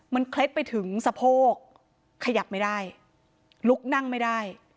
มันเคล็ดไปถึงสะโพกขยับไม่ได้ลุกนั่งไม่ได้